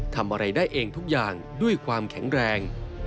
ทำอะไรได้เองทุกอย่างด้วยความแข็งแรง